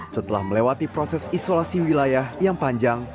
setelah melewati proses isolasi wilayah yang panjang